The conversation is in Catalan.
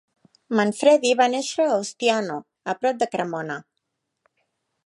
Manfredi va néixer a Ostiano, a prop de Cremona.